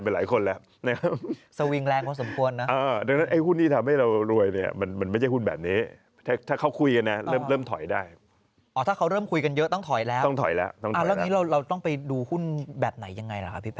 แล้วเราต้องไปดูหุ้นแบบไหนอย่างไร